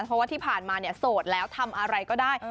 เพราะว่าที่ผ่านมาเนี่ยโสดแล้วทำอะไรก็ได้